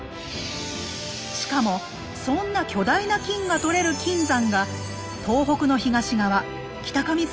しかもそんな巨大な金が採れる金山が東北の東側北上